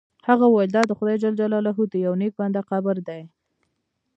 هغه وویل دا د خدای جل جلاله د یو نیک بنده قبر دی.